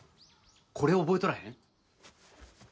これ覚えとらへん？